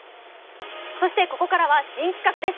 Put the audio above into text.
ここからは新企画です。